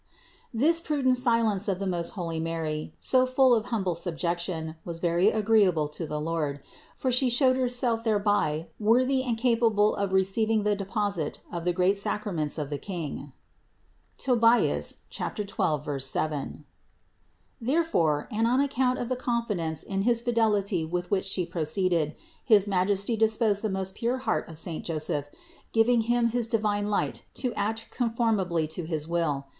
195. This prudent silence of the most holy Mary, so full of humble subjection, was very agreeable to the Lord; for She showed Herself thereby worthy and ca pable of receiving the deposit of the great sacraments 2 12 158 CITY OF GOD of the King (Tob. 12, 7). Therefore, and on account of the confidence in his fidelity with which She proceeded, his Majesty disposed the most pure heart of saint Joseph, giving him his divine light to act conformably to his will.